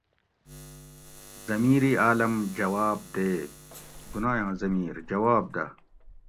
ضمیرعالم جواب دے ( دُنایاں ضمیر جواب دہ )